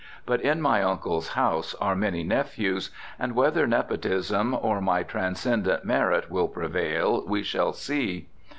But in my uncle's house are many nephews, and whether nepotism or my transcendent merit will prevail we shall see.